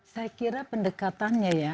saya kira pendekatannya ya